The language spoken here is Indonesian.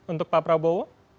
untuk pak prabowo